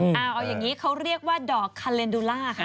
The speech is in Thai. เอาอย่างนี้เขาเรียกว่าดอกคาเลนดูล่าค่ะ